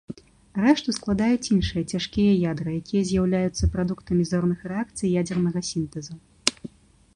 Рэшту складаюць іншыя цяжкія ядры, якія з'яўляюцца прадуктамі зорных рэакцый ядзернага сінтэзу.